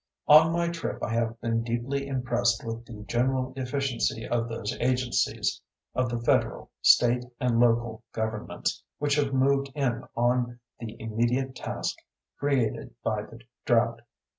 On my trip I have been deeply impressed with the general efficiency of those agencies of the federal, state and local governments which have moved in on the immediate task created by the drought.